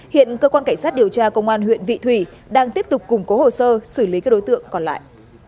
hiện cơ quan cảnh sát điều tra công an huyện vị thủy đang tiếp tục củng cố hồ sơ xử lý các đối tượng còn lại